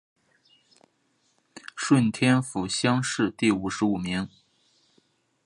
顺天府乡试第五十五名。